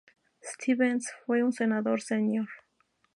Stevens fue un senador senior.